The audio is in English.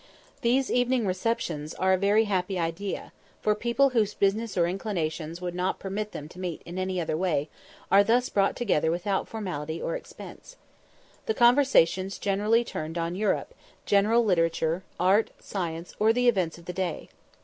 These evening receptions are a very happy idea; for people, whose business or inclinations would not permit them to meet in any other way, are thus brought together without formality or expense. The conversation generally turned on Europe, general literature, art, science, or the events of the day.